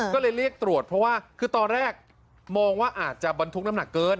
ก็เลยเรียกตรวจเพราะว่าคือตอนแรกมองว่าอาจจะบรรทุกน้ำหนักเกิน